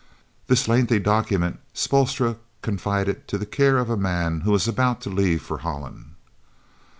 This lengthy document Spoelstra confided to the care of a man who was about to leave for Holland.